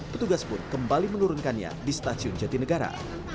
petugas pun kembali menurunkannya di stasiun jatinegara